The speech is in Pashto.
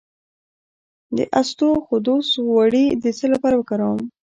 د اسطوخودوس غوړي د څه لپاره وکاروم؟